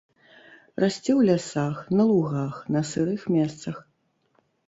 Расце ў лясах, на лугах, на сырых месцах.